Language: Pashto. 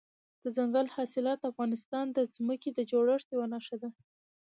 دځنګل حاصلات د افغانستان د ځمکې د جوړښت یوه نښه ده.